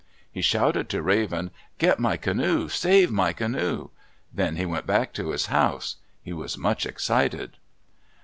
He shouted to Raven, "Get my canoe! Save my canoe!" Then he went back to his house. He was much excited.